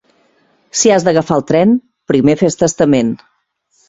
Si has d'agafar el tren, primer fes testament.